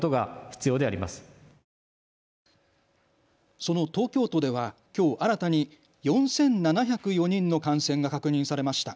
その東京都ではきょう新たに４７０４人の感染が確認されました。